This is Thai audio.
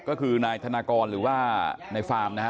ก็คือนายธนากรหรือว่าในฟาร์มนะฮะ